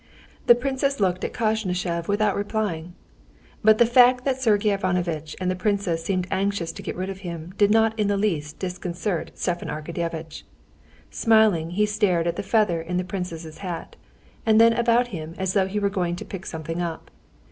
The princess looked at Koznishev without replying. But the fact that Sergey Ivanovitch and the princess seemed anxious to get rid of him did not in the least disconcert Stepan Arkadyevitch. Smiling, he stared at the feather in the princess's hat, and then about him as though he were going to pick something up.